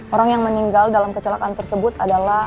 orang yang meninggal dalam kecelakaan tersebut adalah